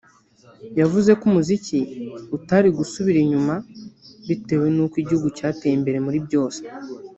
yavuze ko umuziki utari gusubiranyuma bitewe nuko Igihugu cyateye imbere muri byose